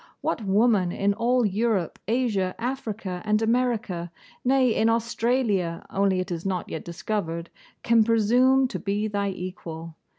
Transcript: What woman in all Europe, Asia, Africa, and America, nay, in Australia, only it is not yet discovered, can presume to be thy equal?